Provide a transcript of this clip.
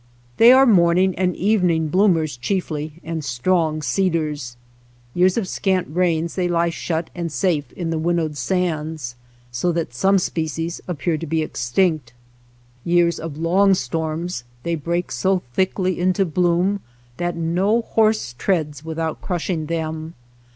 They are morning and evening bloomers chiefly, and strong seeders. Years of scant rains they lie shut and safe in the win 90 SHOSHONE LAND nowed sands, so that some species appear to be extinct. Years of long storms they break so thickly into bloom that no horse treads without crushing them.